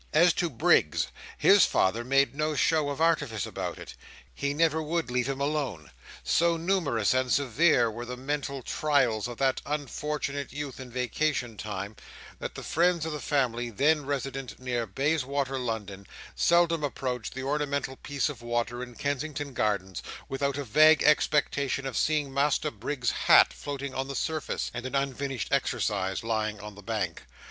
As to Briggs, his father made no show of artifice about it. He never would leave him alone. So numerous and severe were the mental trials of that unfortunate youth in vacation time, that the friends of the family (then resident near Bayswater, London) seldom approached the ornamental piece of water in Kensington Gardens, without a vague expectation of seeing Master Briggs's hat floating on the surface, and an unfinished exercise lying on the bank.